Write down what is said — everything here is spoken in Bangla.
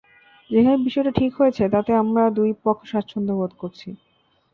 যেভাবে বিষয়টি ঠিক হয়েছে তাতে আমরা দুই পক্ষই স্বাচ্ছন্দ্য বোধ করছি।